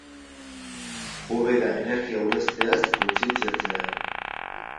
Hobe da energia aurrezteaz kontzientziatzea.